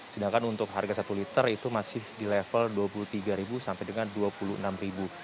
sedangkan untuk harga satu liter itu masih di level rp dua puluh tiga sampai dengan rp dua puluh enam